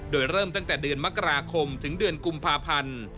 โดยเริ่มตั้งแต่เดือนมกราคมถึงเดือนกุมภาพันธ์